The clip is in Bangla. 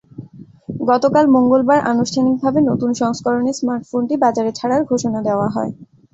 গতকাল মঙ্গলবার আনুষ্ঠানিকভাবে নতুন সংস্করণের স্মার্টফোনটি বাজারে ছাড়ার ঘোষণা দেওয়া হয়।